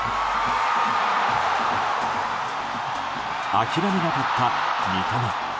諦めなかった三笘。